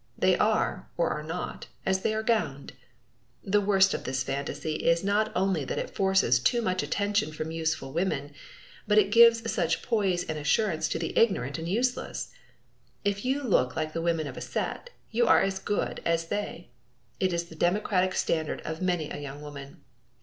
They are, or are not, as they are gowned! The worst of this fantasy is not only that it forces too much attention from useful women, but that it gives such poise and assurance to the ignorant and useless! If you look like the women of a set, you are as "good" as they, is the democratic standard of many a young woman.